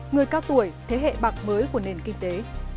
người cao tuổi thế hệ bạc mới của nền kinh tế